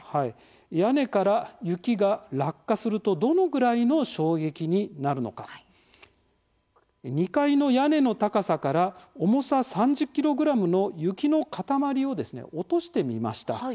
屋根から雪が落下するとどのぐらいの衝撃になるのか２階の屋根の高さから重さ３０ｋｇの雪の塊を落としてみました。